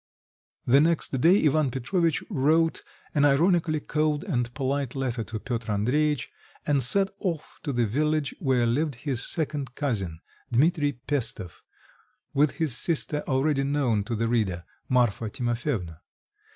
The next day Ivan Petrovitch wrote an ironically cold and polite letter to Piotr Andreitch, and set off to the village where lived his second cousin, Dmitri Pestov, with his sister, already known to the reader, Marfa Timofyevna.